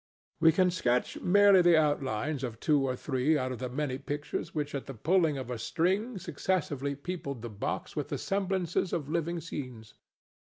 We can sketch merely the outlines of two or three out of the many pictures which at the pulling of a string successively peopled the box with the semblances of living scenes.